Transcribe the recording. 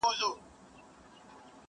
هم ډاریږي له آفته هم له لوږي وايی ساندي٫